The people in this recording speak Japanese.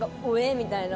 みたいな。